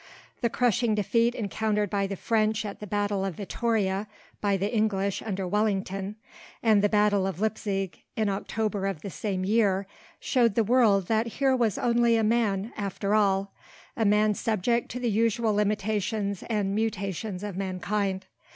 The crushing defeat encountered by the French at the battle of Vittoria by the English under Wellington, and the battle of Leipzig in October of the same year showed the world that here was only a man after all; a man subject to the usual limitations and mutations of mankind.